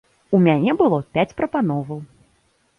У мяне было пяць прапановаў.